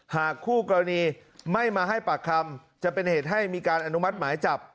หากคู่กรณีไม่มาให้ปากคำจะเป็นเหตุให้มีการอนุมัติหมายจับ